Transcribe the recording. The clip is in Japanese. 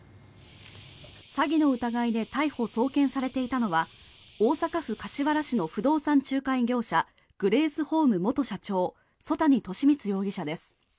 詐欺の疑いで逮捕・送検されていたのは大阪府柏原市の不動産仲介業社ＧＲＡＣＥＨＯＭＥ元社長曽谷利満容疑者です。